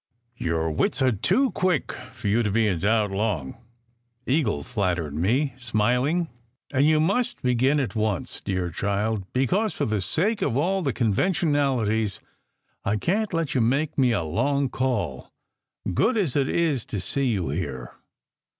"Your wits are too quick for you to be in doubt long," Eagle flattered me, smiling; "and you must begin at once, dear child, because for the sake of all the conventionalities I can t let you make me a long call, good as it is to see you here.